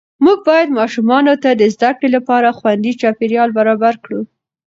موږ باید ماشومانو ته د زده کړې لپاره خوندي چاپېریال برابر کړو